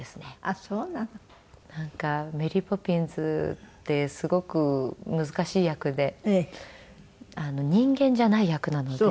なんかメリー・ポピンズってすごく難しい役で人間じゃない役なので。